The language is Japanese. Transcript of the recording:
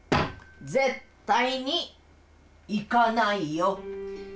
絶対に行かないよ！